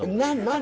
何？